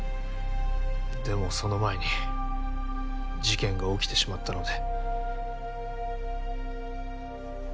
でもその前に事件が起きてしまったので。